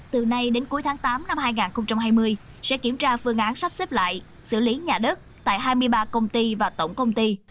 từ nay đến cuối tháng tám năm hai nghìn hai mươi sẽ kiểm tra phương án sắp xếp lại xử lý nhà đất tại hai mươi ba công ty và tổng công ty